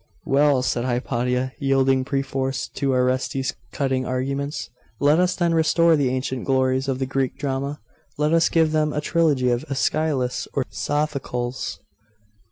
'Well,' said Hypatia, yielding perforce to Orestes's cutting arguments. 'Let us then restore the ancient glories of the Greek drama. Let us give them a trilogy of Aeschylus or Sophocles.